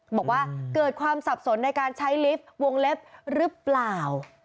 บอกว่าเกิดความสับสนในการใช้ลิฟต์วงเล็บหรือเปล่า